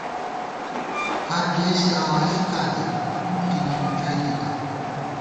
ہردېسے آوا ݪِکاں دی ، نُن کی نِمِنݮَئیتِتہ